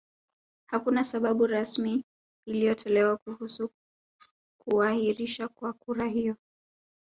Hakuna sababu rasmi iliyotolewa kuhusu kuahirishwa kwa kura hiyo